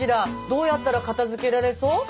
どうやったら片づけられそう？